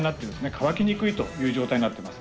乾きにくいという状態になってます。